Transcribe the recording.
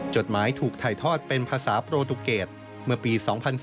จดหมายถูกถ่ายทอดเป็นภาษาโปรตุเกตเมื่อปี๒๔